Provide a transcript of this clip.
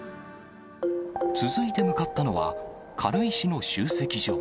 続いて向かったのは、軽石の集積所。